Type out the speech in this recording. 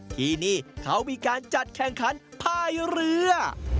ที่นี่เขามีการจัดแข่งขันภายเรือ